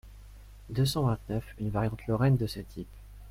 deux cent vingt-neuf), une variante lorraine de ce type.